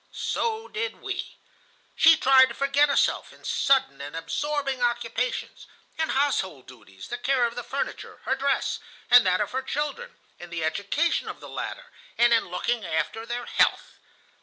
So did we. She tried to forget herself in sudden and absorbing occupations, in household duties, the care of the furniture, her dress and that of her children, in the education of the latter, and in looking after their health.